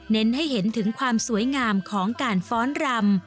ให้เห็นถึงความสวยงามของการฟ้อนรำ